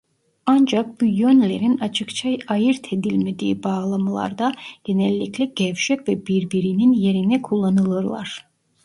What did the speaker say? Ancak bu yönlerin açıkça ayırt edilmediği bağlamlarda genellikle gevşek ve birbirinin yerine kullanılırlar.